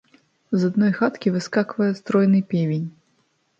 З адной хаткі выскаквае стройны певень.